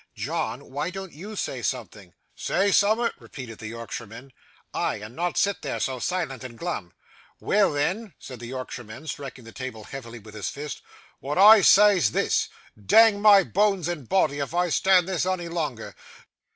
'John, why don't you say something?' 'Say summat?' repeated the Yorkshireman. 'Ay, and not sit there so silent and glum.' 'Weel, then!' said the Yorkshireman, striking the table heavily with his fist, 'what I say's this Dang my boans and boddy, if I stan' this ony longer.